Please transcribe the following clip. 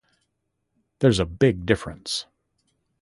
There's a big difference.